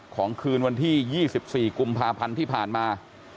คืนวันที่๒๔กุมภาพันธ์ที่ผ่านมา